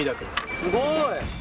すごい！